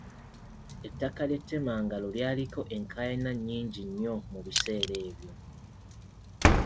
Ettaka ly'e Temangalo lyaliko enkaayana nnyingi nnyo mu biseera ebyo.